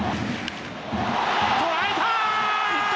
捉えた！